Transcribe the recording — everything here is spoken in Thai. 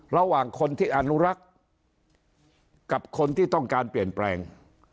ระหว่างคนที่อนุรักษ์กับคนที่ต้องการเปลี่ยนแปลง